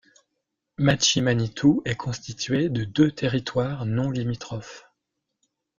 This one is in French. Matchi-Manitou est constitué de deux territoires non limitrophes.